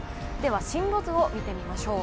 進路図を見てみましょう。